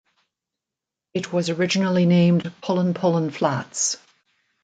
It was originally named Pullen Pullen Flats.